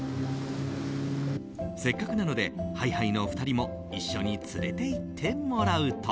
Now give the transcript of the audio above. せっかくなのでＨｉ‐Ｈｉの２人も一緒に連れて行ってもらうと。